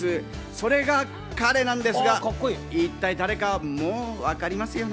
それが彼なんですが、一体、誰かもうわかりますよね？